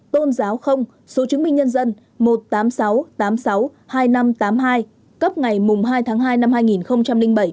tôn giáo không số chứng minh nhân dân một tám sáu tám sáu hai năm tám hai cấp ngày hai tháng hai năm hai nghìn bảy